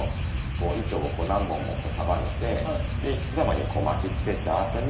糸を何本も束ねてひと玉に巻き付けた後に。